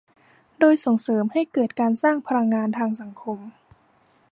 โดยส่งเสริมให้เกิดการสร้างพลังทางสังคม